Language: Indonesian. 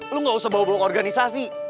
lo gak usah bawa bawa ke organisasi